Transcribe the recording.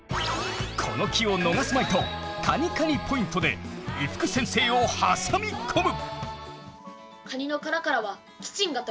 この気を逃すまいとカニカニポイントで伊福先生を挟み込む！